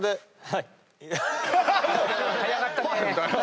早かったね。